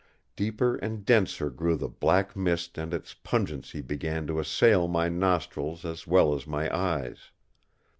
Deeper and denser grew the black mist and its pungency began to assail my nostrils as well as my eyes.